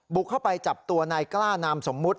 บุกเข้าไปจับตัวนายกล้านามสมมุติ